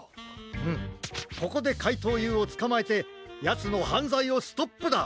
うんここでかいとうＵをつかまえてやつのはんざいをストップだ！